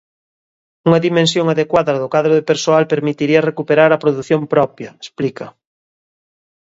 Unha dimensión adecuada do cadro de persoal permitiría recuperar a produción propia, explica.